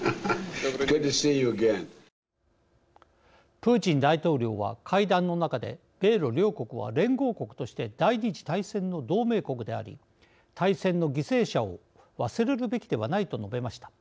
プーチン大統領は会談の中で米ロ両国は、連合国として第二次大戦の同盟国であり大戦の犠牲者を忘れるべきではないと述べました。